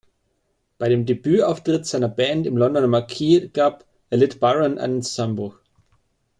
Bei dem Debüt-Auftritt seiner Band im Londoner Marquee Club erlitt Byron einen Zusammenbruch.